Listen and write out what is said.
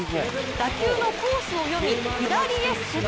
打球のコースを読み、左へステップ。